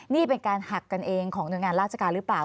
นี่เป็นการหักกันเองของหน่วยงานราชการหรือเปล่า